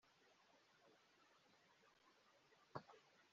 Abajijwe niba ajya yumva aziga mu Rwanda aho bamwohereje